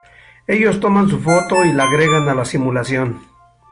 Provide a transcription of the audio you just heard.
Ellos toman su foto y la agregan a la simulación.